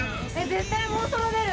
絶対もうそろ出る